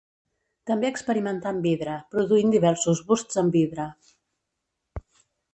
També experimentà amb vidre, produint diversos busts en vidre.